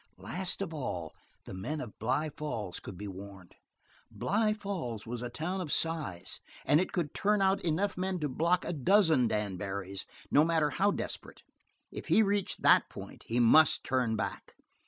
Last of all, the men of Bly Falls could be warned. Bly Falls was a town of size and it could turn out enough men to block a dozen Dan Barrys, no matter how desperate. If he reached that point, he must turn back.